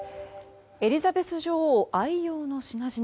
エリザベス女王愛用の品々